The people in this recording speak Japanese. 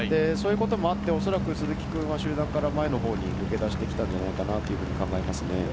そういうこともあって恐らく鈴木君は集団から前のほうに抜け出してきたんじゃないかなと考えますね。